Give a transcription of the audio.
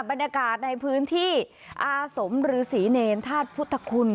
บรรยากาศในพื้นที่อาศมหรือศรีเนรฐาสพุทธคุณ